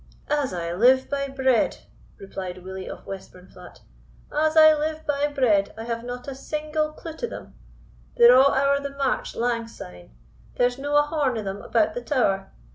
"As I live by bread," replied Willie of Westburnflat "As I live by bread, I have not a single cloot o' them! They're a' ower the march lang syne; there's no a horn o' them about the tower.